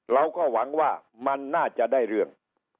เราก็หวังว่ามันน่าจะได้เรื่อง